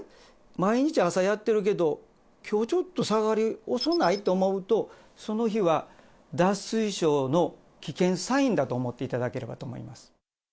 毎日朝やってるけど、きょう、ちょっと下がり遅ない？と思うと、その日は脱水症の危険サインだと思っていただければと思います。